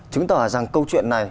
chứng tỏ rằng câu chuyện này